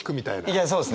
いやそうですね！